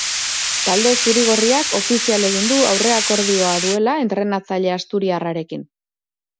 Talde zuri-gorriak ofizial egin du aurreakordioa duela entrenatzaile asturiarrarekin.